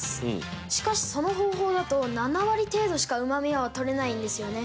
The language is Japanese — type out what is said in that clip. しかしその方法だと７割程度しかうまみを取れないんですよね。